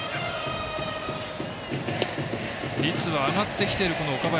率は上がってきている岡林。